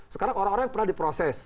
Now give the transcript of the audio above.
sekarang orang orang yang pernah diproses